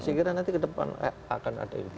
saya kira nanti ke depan akan ada itu